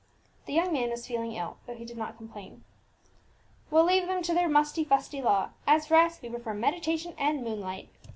The young man was feeling ill, though he did not complain. "We'll leave them to their musty fusty law; as for us, we prefer meditation and moonlight!"